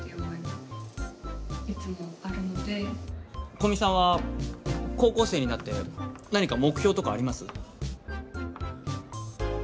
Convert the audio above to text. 古見さんは高校生になって何か目標とかあります？